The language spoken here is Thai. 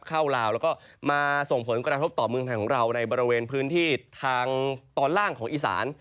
ลาวแล้วก็มาส่งผลกระทบต่อเมืองไทยของเราในบริเวณพื้นที่ทางตอนล่างของอีสาน